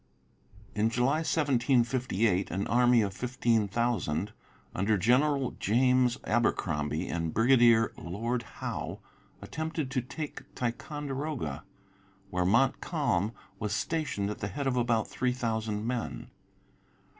In July, 1758, an army of fifteen thousand, under General James Abercromby and Brigadier Lord Howe, attempted to take Ticonderoga, where Montcalm was stationed at the head of about three thousand men.